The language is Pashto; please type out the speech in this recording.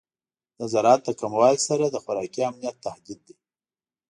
د زراعت د کموالی سره د خوراکي امنیت تهدید دی.